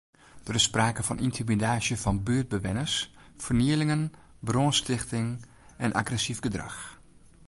Der is sprake fan yntimidaasje fan buertbewenners, fernielingen, brânstichting en agressyf gedrach.